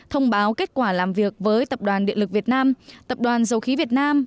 thông báo kết quả làm việc với tập đoàn điện lực việt nam tập đoàn dầu khí việt nam